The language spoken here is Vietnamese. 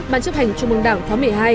ban chấp hành chung bằng đảng phó một mươi hai